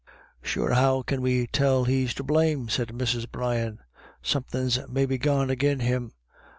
" Sure how can we tell he's to blame ?" said Mrs. Brian ;" something maybe gone agin' him.